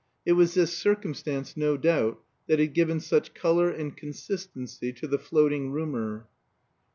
It was this circumstance, no doubt, that had given such color and consistency to the floating rumor.